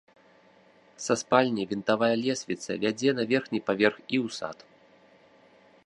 Са спальні вінтавая лесвіца вядзе на верхні паверх і ў сад.